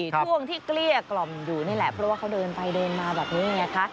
ช่วงที่เกลี้ยกล่อมอยู่นี่แหละเพราะว่าเขาเดินไปเดินมาแบบนี้ไงคะ